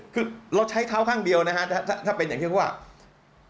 คือเราใช้เท้าข้างเดียวนะครับถ้าเป็นอย่างนี้ก็คือว่า